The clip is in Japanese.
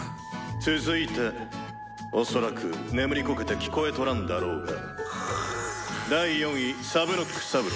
「続いて恐らく眠りこけて聞こえとらんだろうが第４位サブノック・サブロ。